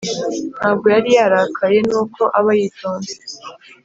ntabwo yari yarakaye nuko aba yitonze